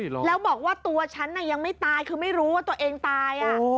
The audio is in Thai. แล้วบอกว่าตัวฉันยังไม่ตายคือไม่รู้ว่าตัวเองตาย